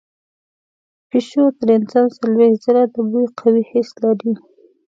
پیشو تر انسان څلوېښت ځله د بوی قوي حس لري.